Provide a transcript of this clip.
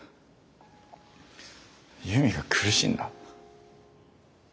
悠美が苦しんだ？